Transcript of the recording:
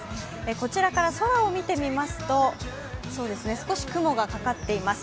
こちらから空を見てみますと少し雲がかかっています。